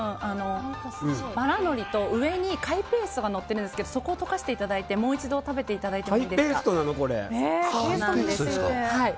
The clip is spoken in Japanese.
のりと、上に貝ペーストがのってるんですけどそこを溶かしていただいてもう一度食べていただくと。